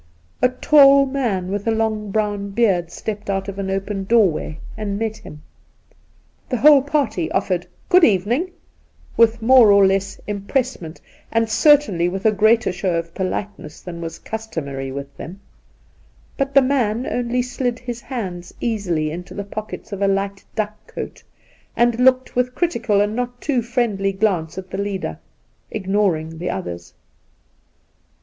A tall man with a long brown beard stepped out of an open doorway and met him. The whole party oflFered 'good evening' with more or less empressement, and certainly with a greater show of politeness than was customary with them ; but the man only slid his hands easily into the pockets of a light duck coat, and looked with critical and not too Mendly glance at the leader, ignoring the others.